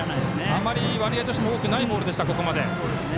あまり割合としてもなかったボールでした、ここまで。